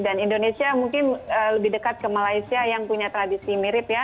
dan indonesia mungkin lebih dekat ke malaysia yang punya tradisi mirip ya